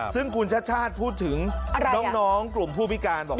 ซึ่งคุณชาติชาติพูดถึงน้องกลุ่มผู้พิการบอก